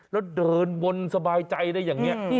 แล้วเดินวนสบายใจได้อย่างนี้